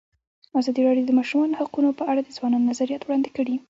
ازادي راډیو د د ماشومانو حقونه په اړه د ځوانانو نظریات وړاندې کړي.